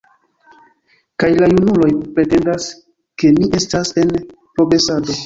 Kaj la junuloj pretendas, ke ni estas en progresado!